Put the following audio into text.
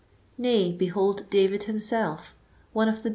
Nay, behold David himself, one of the.